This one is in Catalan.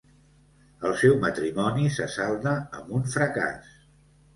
El seu matrimoni se salda amb un fracàs.